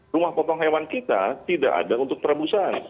rumah potong hewan kita tidak ada untuk perebusan